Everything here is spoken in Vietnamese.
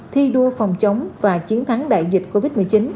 thi đua phòng chống và chiến thắng đại dịch covid một mươi chín